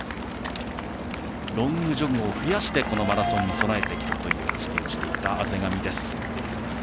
ロングジョグを増やしてこのマラソンに備えてきたという話をしていた畔上です。